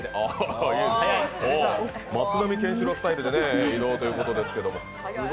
松浪健四郎スタイルで移動ということですが。